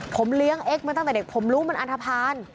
ผมเลี้ยงเอ็กซมาตั้งแต่เด็กผมรู้มันอันทภาณ